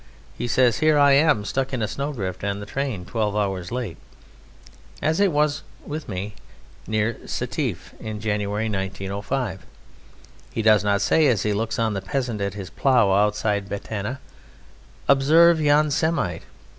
He says: "Here I am stuck in a snowdrift and the train twelve hours late" as it was (with me in it) near Sétif in January, 1905. He does not say as he looks on the peasant at his plough outside Batna: "Observe yon Semite!"